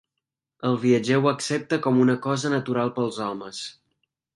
El viatger ho accepta com una cosa natural pels homes.